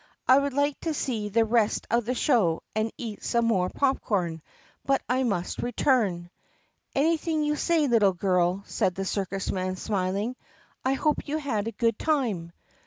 "I would like to see the rest of the show and eat some more popcorn, but I must return." "Anything you say, little girl!" said the circus man smiling. "I hope you had a good time."